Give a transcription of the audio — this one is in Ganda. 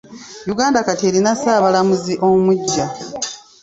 Uganda kati erina ssaabalamuzi omuggya.